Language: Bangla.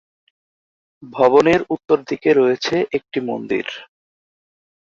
ভবনের উত্তরদিকে রয়েছে একটি মন্দির।